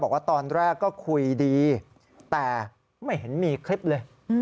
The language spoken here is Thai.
บอกว่าตอนแรกก็คุยดีแต่ไม่เห็นมีคลิปเลย